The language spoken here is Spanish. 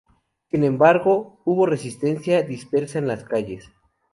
Sin embargo, hubo resistencia dispersa en las calles.